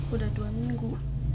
udah dua minggu